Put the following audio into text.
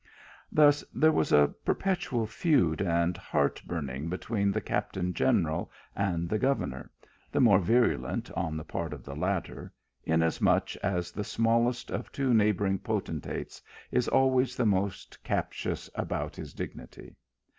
Thus there was a perpetual feud and heart burning between the cap tain general and the governor ; the more virulent on the part of the latter, inasmuch as the smallest of two neighbouring potentates is always the most captious about his dignity.